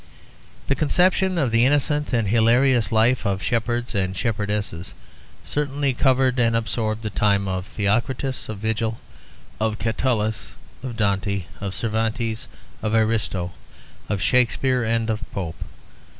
The conception of the innocent and hilarious life of shepherds and shepherdesses certainly covered and absorbed the time of Theocritus, of Virgil, of Catullus, of Dante, of Cervantes, of Ariosto, of Shakespeare, and of Pope.